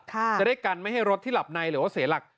จะได้กันไม่ให้รถที่หลับในหรือว่าเสียหลัก